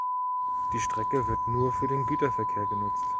Die Strecke wird nur für den Güterverkehr genutzt.